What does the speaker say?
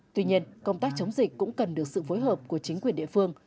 tuy nhiên công tác chống dịch cũng cần được sự phối hợp của chính quyền địa phương